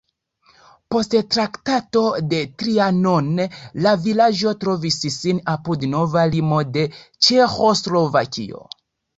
Post Traktato de Trianon la vilaĝo trovis sin apud nova limo de Ĉeĥoslovakio.